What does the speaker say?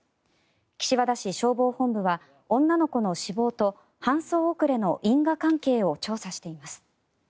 岸和田市消防本部は女の子の死亡と搬送遅れの因果関係を調査しています。